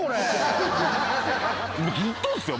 ずっとっすよ。